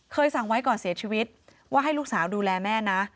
สั่งไว้ก่อนเสียชีวิตว่าให้ลูกสาวดูแลแม่นะ